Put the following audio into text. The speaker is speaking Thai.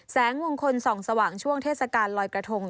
แสงมงคลส่องสว่างช่วงเทศกาลลอยกระทง